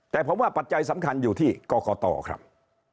แต่ผมว่าปัจจัยสำคัญอยู่ที่กรกตครับ